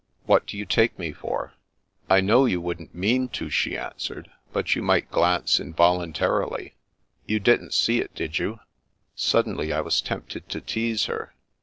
" What do you take me for ?"" I know you wouldn't mean to," she answered. " But you might glance involuntarily. You didn't see it, did you ?" Suddenly I was tempted to tease her.